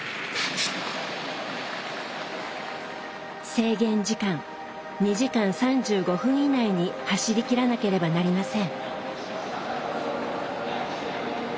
制限時間２時間３５分以内に走りきらなければなりません。